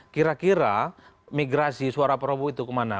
kira kira migrasi suara prabowo itu kemana